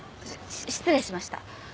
し失礼しました。